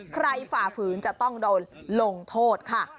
ฝ่าฝืนจะต้องโดนลงโทษค่ะ